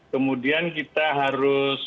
kemudian kita harus